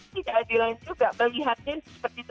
tidak adil juga melihatnya seperti itu